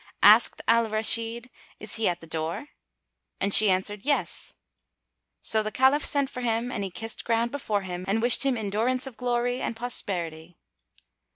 Asked Al Rashid, "Is he at the door?" and she answered, "Yes." So the Caliph sent for him and he kissed ground before him and wished him endurance of glory and prosperity.